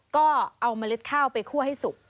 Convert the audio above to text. ก็เอาเมล็ดข้าวไปคั่วให้สุก